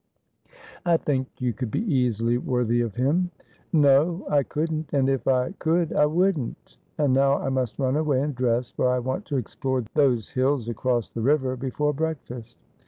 ' I think you could be easily worthy of him.' 'Xo, I couldn't. And if I could I wouldn't. And now I must run away and dress, for I want to explore those hills across the river before breakfast.'